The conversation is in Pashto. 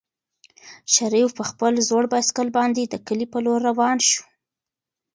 شریف په خپل زوړ بایسکل باندې د کلي په لور روان شو.